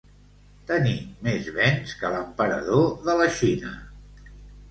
Tenir més béns que l'emperador de la Xina.